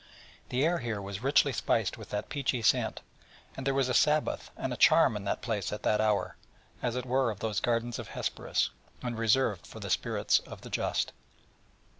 The air here was richly spiced with that peachy scent, and there was a Sabbath and a nepenthe and a charm in that place at that hour, as it were of those gardens of Hesperus, and fields of asphodel, reserved for the spirits of the just.